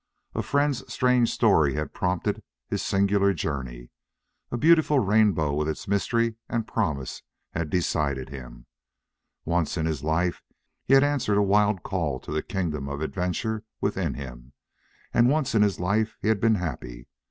A friend's strange story had prompted his singular journey; a beautiful rainbow with its mystery and promise had decided him. Once in his life he had answered a wild call to the kingdom of adventure within him, and once in his life he had been happy.